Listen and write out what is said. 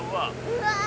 うわ！